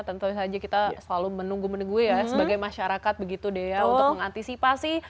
tentu saja kita selalu menunggu menunggu ya sebagai masyarakat begitu deh ya untuk mengantisipasi